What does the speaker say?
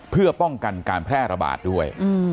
เพื่อป้องกันการแพร่ระบาดด้วย